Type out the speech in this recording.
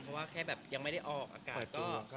เพราะว่าแค่แบบยังไม่ได้ออกอากาศก็